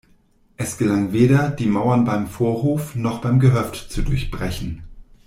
Es gelang weder, die Mauern beim Vorhof noch beim Gehöft zu durchbrechen.